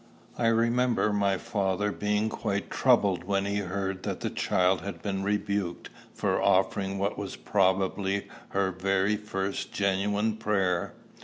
I remember my father being quite troubled when he heard that the child had been rebuked for offering what was probably her very first genuine prayer.